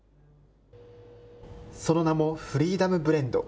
その名もフリーダムブレンド。